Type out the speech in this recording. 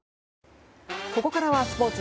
ここからはスポーツ。